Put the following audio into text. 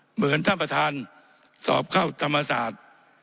เหมือนท่านประธานสอบเข้าธรรมศาสตร์